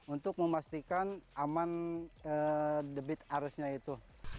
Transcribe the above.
untuk memastikan aman debit arusnya itu